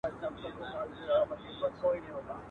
ستا د هجران په تبه پروت یم مړ به سمه.